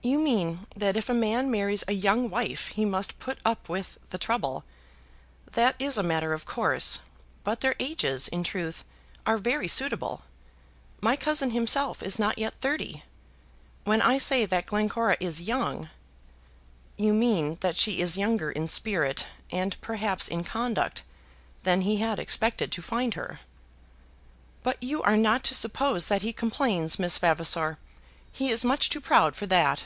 "You mean that if a man marries a young wife he must put up with the trouble. That is a matter of course. But their ages, in truth, are very suitable. My cousin himself is not yet thirty. When I say that Glencora is young " "You mean that she is younger in spirit, and perhaps in conduct, than he had expected to find her." "But you are not to suppose that he complains, Miss Vavasor. He is much too proud for that."